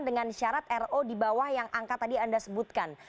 dengan syarat ro di bawah yang angka tadi anda sebutkan